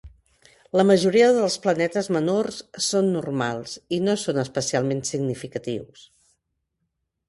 La majoria dels planetes menors són normals i no són especialment significatius.